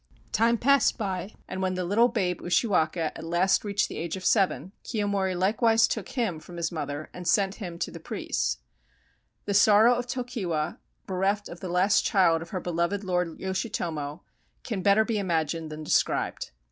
Time passed by, and when the little babe Ushiwaka at last reached the age of seven, Kiyomori likewise took him from his mother and sent him to the priests. The sorrow of Tokiwa, bereft of the last child of her beloved lord Yoshitomo, can better be imagined than described.